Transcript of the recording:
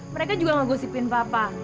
mereka juga gak gosipin papa